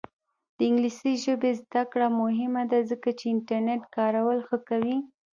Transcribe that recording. د انګلیسي ژبې زده کړه مهمه ده ځکه چې انټرنیټ کارول ښه کوي.